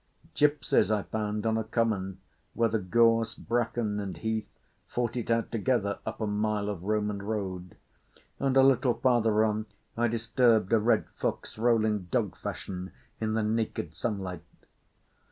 Gipsies I found on a common where the gorse, bracken, and heath fought it out together up a mile of Roman road; and a little farther on I disturbed a red fox rolling dog fashion in the naked sunlight.